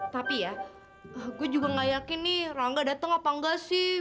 tapi ya aku juga gak yakin nih rangga datang apa enggak sih